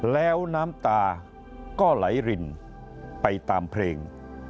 แล้วน้ำตาก็ไหลรินไปตามเพลง